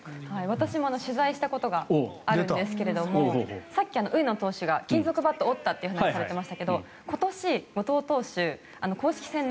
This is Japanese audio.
私も取材したことがあるんですがさっき上野投手が金属バットを折ったという話をされていましたが今年、後藤投手、公式戦で